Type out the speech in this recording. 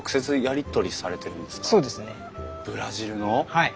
はい。